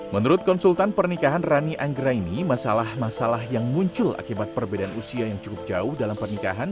menurut konsultan pernikahan rani anggra ini masalah masalah yang muncul akibat perbedaan usia yang cukup jauh dalam pernikahan